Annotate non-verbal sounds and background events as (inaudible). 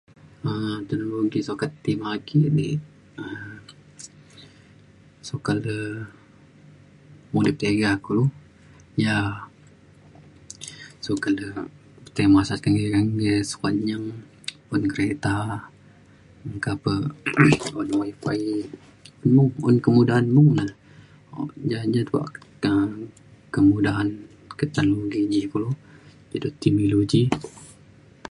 um teknologi sukat ti me aki di um sukat re mudip tiga kulo ja sukat de tai masat kengke kengke sukat nyeng un kerita meka pe (noise) un wifi un kemudahan mung le o- ja ja tuak te kemudahan ke teng ji kulo ida ti me ilu ji